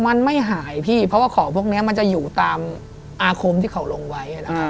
มันไม่หายพี่เพราะว่าของพวกนี้มันจะอยู่ตามอาคมที่เขาลงไว้